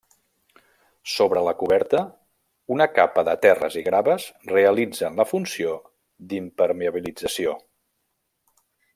Sobre la coberta, una capa de terres i graves realitzen la funció d'impermeabilització.